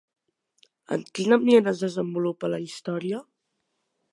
En quin ambient es desenvolupa la història?